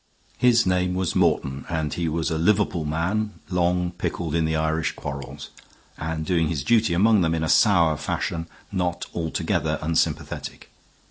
His name was Morton, and he was a Liverpool man long pickled in the Irish quarrels, and doing his duty among them in a sour fashion not altogether unsympathetic.